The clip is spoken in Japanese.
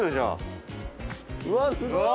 うわすごい。